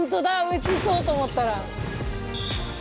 打ちそうと思ったら。